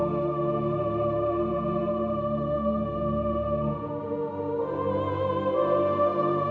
assalamualaikum warahmatullahi wabarakatuh